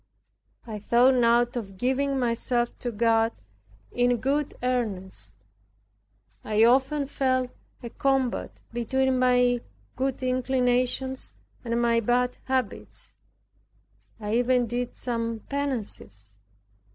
I thought now of giving myself to God in good earnest. I often felt a combat between my good inclinations and my bad habits. I even did some penances.